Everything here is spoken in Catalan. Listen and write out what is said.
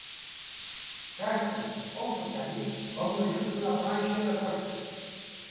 Castro el mecànic amb l'ajut d'una planxa del cotxe.